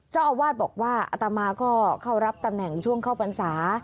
เจ้าอาวาสบอกว่าอัตมาก็เข้ารับตำแหน่งช่วงเข้าพรรษา